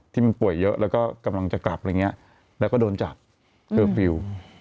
ที่มันป่วยเยอะแล้วก็กำลังจะกลับอะไรอย่างนี้แล้วก็โดนจับเคอร์ฟิลล์